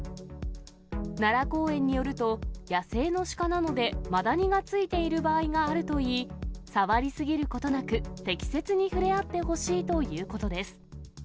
奈良公園によると、野生の鹿なので、マダニがついている場合があるといい、触り過ぎることなく、適切に触れ合ってほしいということです。